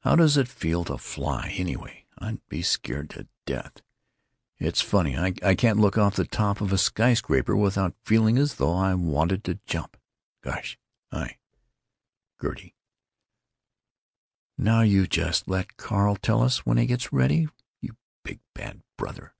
How does it feel to fly, anyway? I'd be scared to death; it's funny, I can't look off the top of a sky scraper without feeling as though I wanted to jump. Gosh! I——" Gertie: "Now you just let Carl tell us when he gets ready, you big, bad brother!